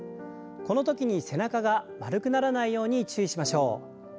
このときに背中が丸くならないように注意しましょう。